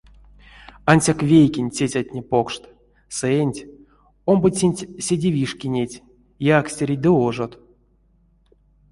Ансяк вейкенть цецятне покшт, сэнть, омбоценть — седе вишкинеть, якстереть ды ожот.